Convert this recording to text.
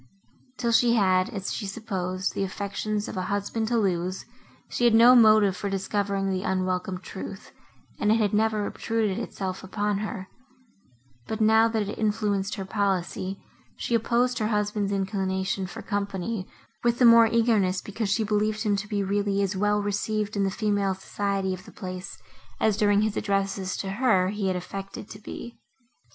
Till she had, as she supposed, the affections of a husband to lose, she had no motive for discovering the unwelcome truth, and it had never obtruded itself upon her; but, now that it influenced her policy, she opposed her husband's inclination for company, with the more eagerness, because she believed him to be really as well received in the female society of the place, as, during his addresses to her, he had affected to be.